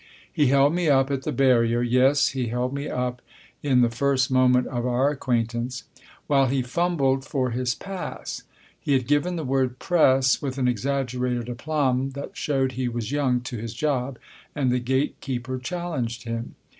He held me up at the barrier (yes, he held me up in the first moment of our acquaintance) while he fumbled for his pass. He had given the word " Press " with an exaggerated aplomb that showed he was young to his job, and the gate keeper challenged him.